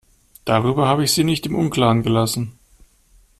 Darüber habe ich sie nicht im Unklaren gelassen.